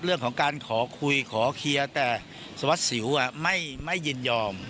เรื่องของการขอคุยขอเคลียร์แต่สวัสดิสิวไม่ยินยอม